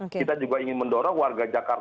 kita juga ingin mendorong warga jakarta